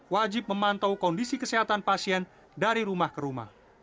wajib memantau kondisi kesehatan pasien dari rumah ke rumah